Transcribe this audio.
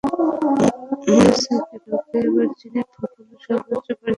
মার্টিনেজকে টপকে এবার চীনের ফুটবলে সর্বোচ্চ পারিশ্রমিক পাওয়া ফুটবলার হলেন টিজেইরা।